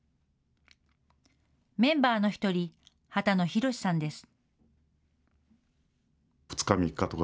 メンバーの１人、波多野宏さんです。